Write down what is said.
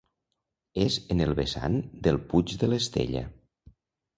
És en el vessant del Puig de l'Estella.